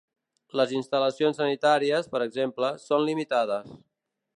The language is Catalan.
Les instal·lacions sanitàries, per exemple, són limitades.